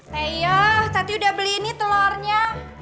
teh iyo tati udah beli ini telurnya